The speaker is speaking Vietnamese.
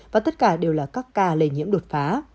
và tất cả đều là các ca lây nhiễm đột phá